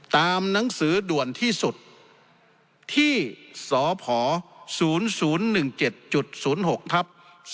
ตามหนังสือด่วนที่สุดที่สพ๐๐๑๗๐๖ทับ๒๕๖